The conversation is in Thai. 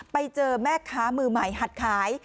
ไปเจอแม่ค้ามือใหม่หัดขาย